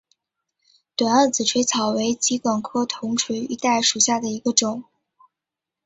短萼紫锤草为桔梗科铜锤玉带属下的一个种。